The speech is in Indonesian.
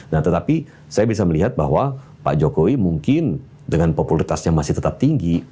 nah tetapi saya bisa melihat bahwa pak jokowi mungkin dengan populitasnya masih tetap tinggi